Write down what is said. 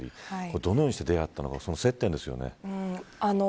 どのようにして出会ったのかその接点ですよね。